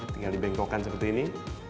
tinggal dibengkokkan seperti ini